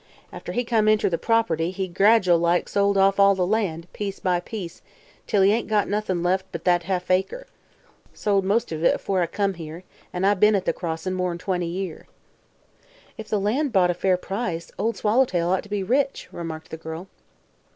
After he come inter the property he gradual like sold off all the land, piece by piece, till he ain't got noth'n left but thet half acre. Sold most of it afore I come here, an' I be'n at the Crossing more'n twenty year." "If the land brought a fair price, Old Swallowtail ought to be rich," remarked the girl.